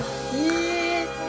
え。